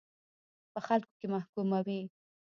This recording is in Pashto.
په خلکو کې محکوموي.